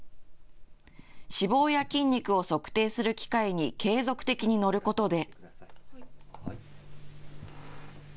脂肪や筋肉を測定する機械に継続的に乗ることで。